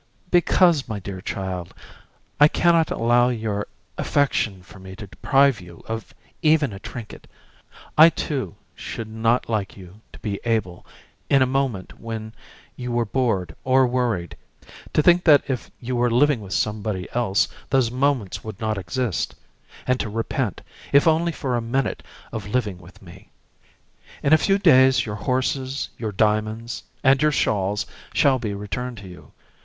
"Because, my dear child, I can not allow your affection for me to deprive you of even a trinket. I too should not like you to be able, in a moment when you were bored or worried, to think that if you were living with somebody else those moments would not exist; and to repent, if only for a minute, of living with me. In a few days your horses, your diamonds, and your shawls shall be returned to you.